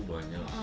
oh tujuh banyak